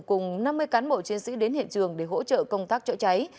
cùng năm mươi cán bộ chiến sĩ đến hiện trường để hỗ trợ công tác chữa cháy